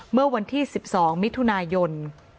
เมื่อวันที่๑๒มิถุนายน